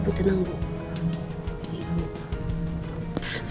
ibu tenang dulu